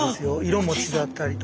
色も違ったりとか。